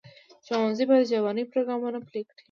ښوونځي باید ژبني پروګرامونه پلي کړي.